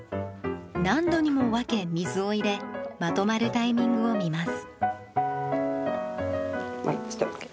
何度にも分け水を入れまとまるタイミングを見ます。